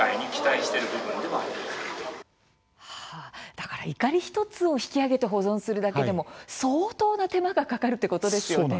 だからいかり一つを引き揚げて保存するだけでも相当な手間がかかるということですよね。